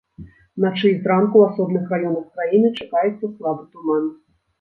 Уначы і зранку ў асобных раёнах краіны чакаецца слабы туман.